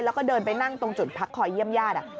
แล้วก็เดินไปนั่งตรงจุดพักคอยเยี่ยมญาติ